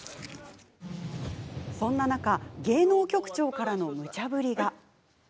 そんな中芸能局長からのむちゃ振りが。